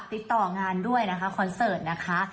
ติดต่องานด้วยนะคะคอนเสิร์ตนะคะ